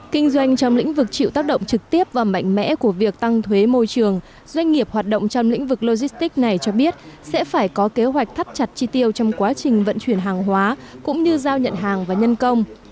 kinh doanh trong lĩnh vực chịu tác động trực tiếp và mạnh mẽ của việc tăng thuế môi trường doanh nghiệp hoạt động trong lĩnh vực logistics này cho biết sẽ phải có kế hoạch thắt chặt chi tiêu trong quá trình vận chuyển hàng hóa cũng như giao nhận hàng và nhân công